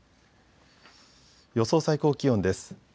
予想最高気温です。